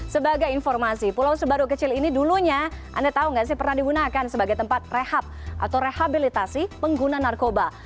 sebagai informasi pulau sebaru kecil ini dulunya anda tahu nggak sih pernah digunakan sebagai tempat rehab atau rehabilitasi pengguna narkoba